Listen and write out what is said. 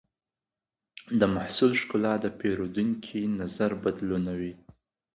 د محصول ښکلا د پیرودونکي نظر بدلونوي.